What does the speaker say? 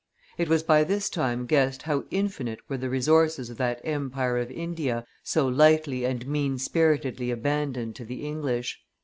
It was by this time guessed how infinite were the resources of that empire of India, so lightly and mean spiritedly abandoned to the English.